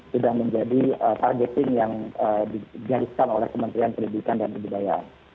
sudah menjadi targeting yang digariskan oleh kementerian pendidikan dan kebudayaan